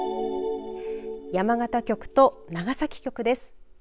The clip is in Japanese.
山形局と長崎局です。